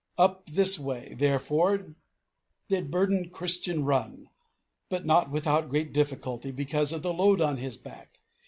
Up this way, therefore, did burdened Christian run, but not without great difficulty, because of the load on his back.